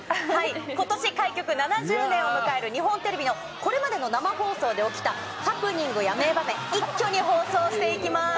ことし開局７０年を迎える日本テレビのこれまでの生放送で起きたハプニングや名場面、一挙に放送していきます。